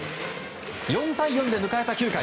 ４対４で迎えた９回。